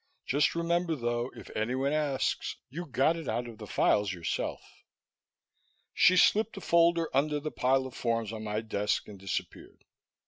Just remember though, if anyone asks, you got it out of the files yourself." She slipped a folder under the piles of forms on my desk and disappeared.